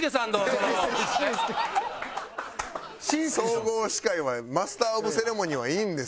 総合司会はマスター・オブ・セレモニーはいいんですよ。